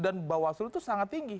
dan bawaslu itu sangat tinggi